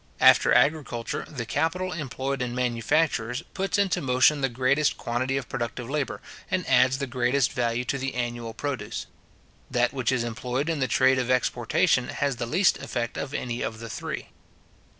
After agriculture, the capital employed in manufactures puts into motion the greatest quantity of productive labour, and adds the greatest value to the annual produce. That which is employed in the trade of exportation has the least effect of any of the three.